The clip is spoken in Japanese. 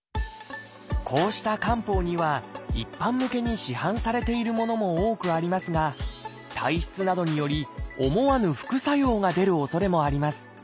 こうした漢方には一般向けに市販されているものも多くありますが体質などにより思わぬ副作用が出るおそれもあります。